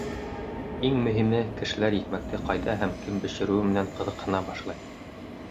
Иң мөһиме, кешеләр икмәкте ҡайҙа һәм кем бешереүе менән ҡыҙыҡһына башлай.